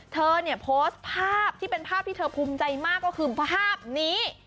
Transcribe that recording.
เธอเนี่ยโพสต์ภาพที่เป็นภาพที่เธอภูมิใจมากก็คือภาพนี้